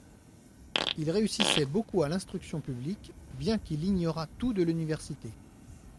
Il réussissait beaucoup à l'Instruction publique, bien qu'il ignorât tout de l'Université.